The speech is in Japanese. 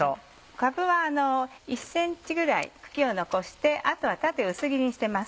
かぶは１ｃｍぐらい茎を残してあとは縦薄切りにしてます。